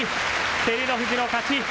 照ノ富士の勝ち。